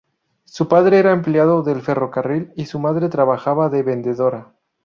Su padre era empleado del ferrocarril y su madre trabajaba de vendedora.